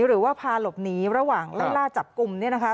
หรือว่าพาหลบหนีระหว่างไล่ล่าจับกลุ่มเนี่ยนะคะ